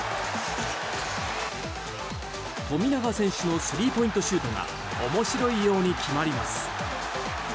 富永選手のスリーポイントシュートが面白いように決まります。